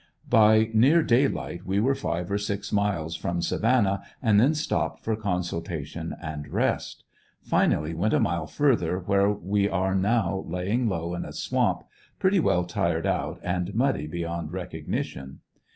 By near day light we were five or six miles from Savannah, and then stopped for consultation and rest. Final ly went a mile further, where we are now laying low in a swamp, pretty well tired out and muddy beyond recognition.